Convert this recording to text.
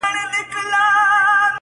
دى خو بېله تانه كيسې نه كوي,